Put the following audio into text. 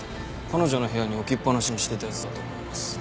彼女の部屋に置きっぱなしにしてたやつだと思います。